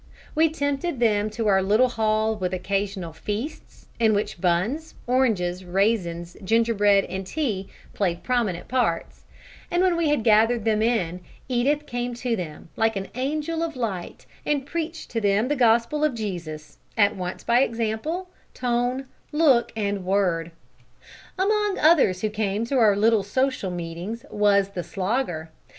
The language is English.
We tempted them to our little hall with occasional feasts, in which buns, oranges, raisins, gingerbread, and tea played prominent parts, and when we had gathered them in, Edith came to them, like an angel of light and preached to them the gospel of Jesus, at once by example, tone, look, and word. Among others who came to our little social meetings was the Slogger.